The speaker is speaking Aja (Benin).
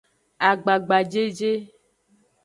Agbagajeje.